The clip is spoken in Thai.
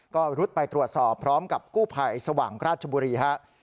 ก็รุดไปตรวจสอบพร้อมกับกู้ภัยสว่างราชบุรีครับ